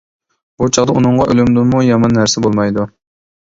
بۇ چاغدا ئۇنىڭغا ئۆلۈمدىنمۇ يامان نەرسە بولمايدۇ.